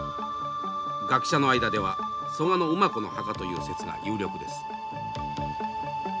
学者の間では蘇我馬子の墓という説が有力です。